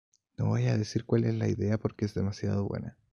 No voy a decir cuál es la idea porque es demasiado buena".